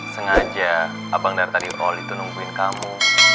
sengaja abang dar tadi all itu nungguin kamu